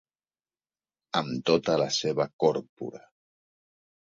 Amb tota la seva còrpora.